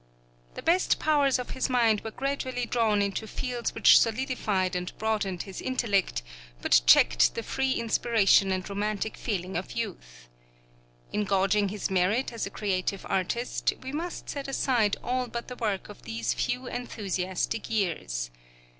The best powers of his mind were gradually drawn into fields which solidified and broadened his intellect, but checked the free inspiration and romantic feeling of youth. In gauging his merit as a creative artist, we must set aside all but the work of these few enthusiastic years.